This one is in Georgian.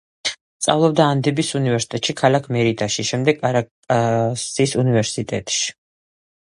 სწავლობდა ანდების უნივერსიტეტში ქალაქ მერიდაში, შემდეგ კარაკასის უნივერსიტეტში.